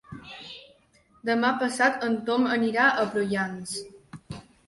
Demà passat en Tom anirà a Prullans.